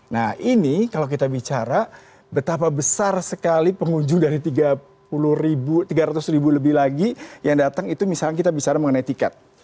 nah ini kalau kita bicara betapa besar sekali pengunjung dari tiga ratus ribu lebih lagi yang datang itu misalnya kita bicara mengenai tiket